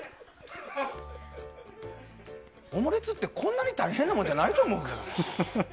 オムレツってこんなに大変なもんちゃうと思うんだけどな。